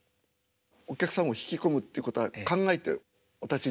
お客さんを引き込むってことは考えてお立ちになってますか？